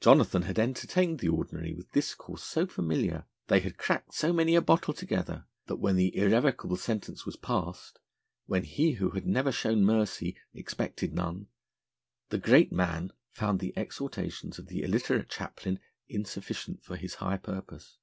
Jonathan had entertained the Ordinary with discourse so familiar, they had cracked so many a bottle together, that when the irrevocable sentence was passed, when he who had never shown mercy, expected none, the Great Man found the exhortations of the illiterate Chaplain insufficient for his high purpose.